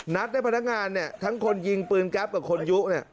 นัดให้พนักงานเนี่ยทั้งคนยิงปืนแก๊ปกับคนยุเนี่ย